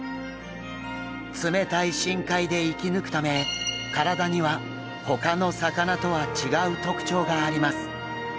冷たい深海で生き抜くため体にはほかの魚とは違う特徴があります。